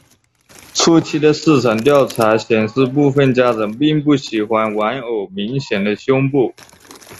初期的市场调查显示部份家长并不喜欢玩偶明显的胸部。